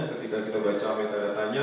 ketika kita baca metadata nya